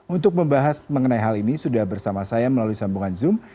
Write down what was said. untuk membahas mengenai hal ini sudah bersama saya melalui sambungan zoom